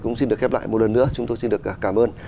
cũng xin được khép lại một lần nữa chúng tôi xin được cảm ơn